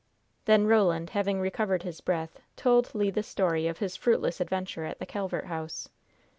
Then Roland, having recovered his breath, told Le the story of his fruitless adventure at the Calvert House.